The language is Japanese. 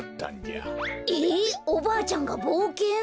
えおばあちゃんがぼうけん！？